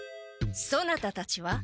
そなたたちは？